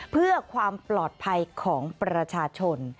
เพื่อความปลอดภัยของประชาชน